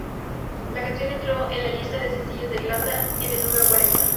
La canción entró en la lista de sencillos de Irlanda en el número cuarenta.